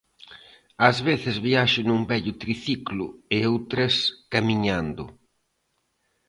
As veces viaxo nun vello triciclo e outras camiñando.